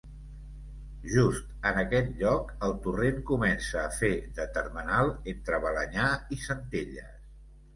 Just en aquest lloc el torrent comença a fer de termenal entre Balenyà i Centelles.